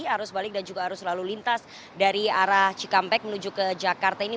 arus balik dan juga arus lalu lintas dari arah cikampek menuju ke jakarta ini